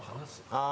ああ。